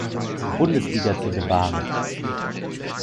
Bundesliga zu bewahren.